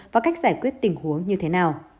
và cách giải quyết tình huống như thế nào